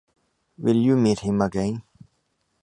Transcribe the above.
Will you meet him again?